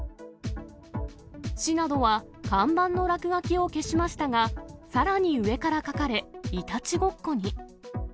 市などは看板の落書きを消しましたが、さらに上から書かれ、いたちごっこに。